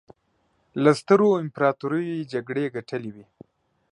له سترو امپراطوریو یې جګړې ګټلې وې.